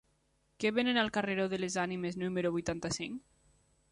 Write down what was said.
Què venen al carreró de les Ànimes número vuitanta-cinc?